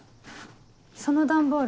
その段ボール